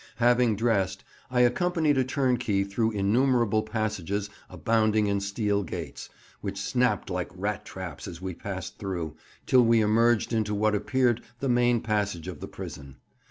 Having dressed, I accompanied a turnkey through innumerable passages abounding in steel gates, which snapped like rat traps as we passed through, till we emerged into what appeared the main passage of the prison.